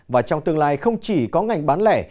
và trong tương lai không chỉ có ngành bán lẻ